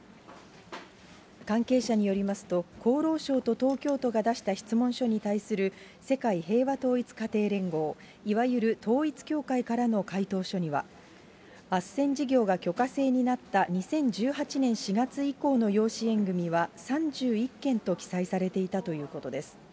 関係者によりますと、厚労省と東京都が出した質問書に対する世界平和統一家庭連合、いわゆる統一教会からの回答書には、あっせん事業が許可制になった２０１８年４月以降の養子縁組みは３１件と記載されていたということです。